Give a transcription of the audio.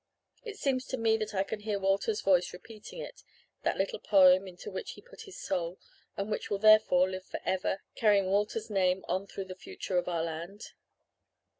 It seems to me that I can hear Walter's voice repeating it that little poem into which he put his soul, and which will therefore live for ever, carrying Walter's name on through the future of our land.